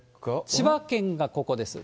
千葉県がここです。